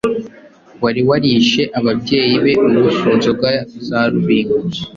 wari warishe ababyeyi be. Ubu ku nzoga za Rubingo